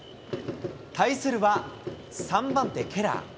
対するは、３番手、ケラー。